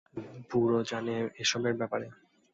বুড়ো জানে এসবের ব্যাপারে?